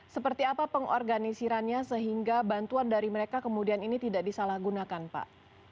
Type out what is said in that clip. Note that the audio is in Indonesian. seperti apa pengorganisirannya sehingga bantuan dari mereka kemudian ini tidak disalahgunakan pak